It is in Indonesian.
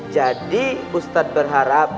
jadi ustadz berharap